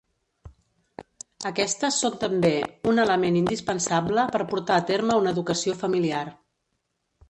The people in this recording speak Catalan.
Aquestes són també un element indispensable per portar a terme una educació familiar.